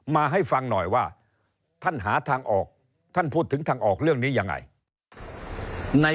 มาให้ฟังหน่อยว่าท่านหาทางออกท่านพูดถึงทางออกเรื่องนี้ยังไง